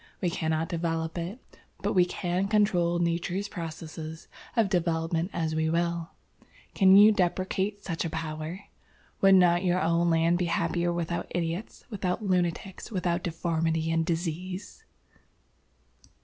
We cannot develop it. But we can control Nature's processes of development as we will. Can you deprecate such a power? Would not your own land be happier without idiots, without lunatics, without deformity and disease?"